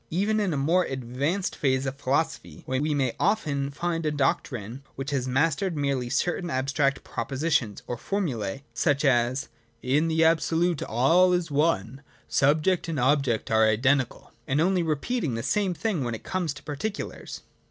Even in a more ad vanced phase of philosophy, we may often find a doc trine which has mastered merely certain abstract pro positions or formulae, such as, 'In the absolute all is one,' ' Subject and object are identical,' — and only re peating the same thing when it comes to particulars.